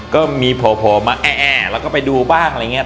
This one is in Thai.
ก็มีโผล่มาแอแล้วก็ไปดูบ้างอะไรอย่างนี้